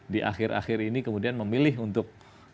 di akhir akhir ini kemudian memilih untuk